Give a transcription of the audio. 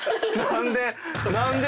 ⁉何で。